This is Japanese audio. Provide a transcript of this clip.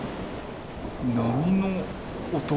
波の音？